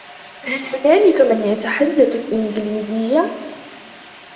هل هناك من يتحدث الانجليزية ؟